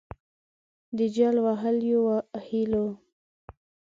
د جل وهلیو هِیلو